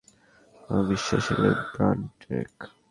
আমার বিশ্বাস এগুলো ব্রনটেরক!